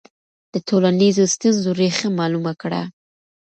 د ټولنیزو ستونزو ریښه معلومه کړه.